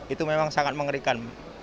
itu memang sangat mengerikan